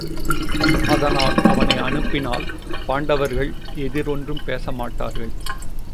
அதனால் அவனை அனுப்பினால் பாண்டவர்கள் எதிர் ஒன்றும் பேசமாட்டார்கள்.